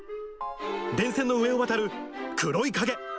電線の上を渡る黒い影。